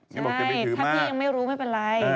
ใช่ถ้าพี่ยังไม่รู้ไม่เป็นไร